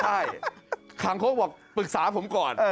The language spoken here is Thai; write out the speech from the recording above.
ใช่คางโค้กบอกปรึกษาผมก่อน